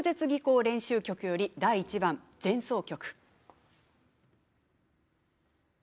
練習曲より第１番「前奏曲」。